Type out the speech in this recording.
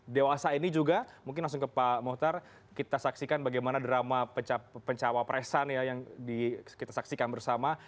dewasa ini juga mungkin langsung ke pak mohtar kita saksikan bagaimana drama pencawa presan ya yang kita saksikan bersama